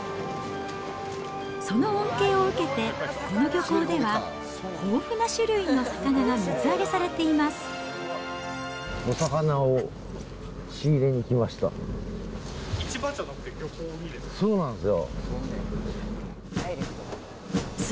その恩恵を受けて、この漁港では豊富な種類の魚が水揚げされています。